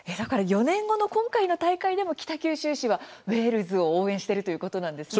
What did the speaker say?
４年後の今回の大会でも北九州市はウェールズを応援しているということなんですね。